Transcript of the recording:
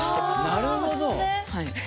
なるほどね！